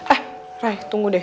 eh raya tunggu deh